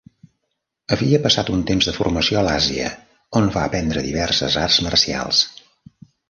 Havia passat un temps de formació a l'Àsia, on va aprendre diverses arts marcials.